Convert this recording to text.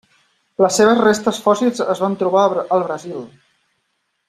Les seves restes fòssils es van trobar al Brasil.